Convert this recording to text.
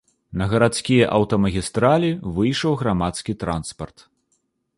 На гарадскія аўтамагістралі выйшаў грамадскі транспарт.